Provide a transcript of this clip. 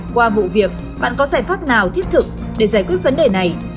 qua vụ việc bạn có giải pháp nào thiết thực để giải quyết vấn đề này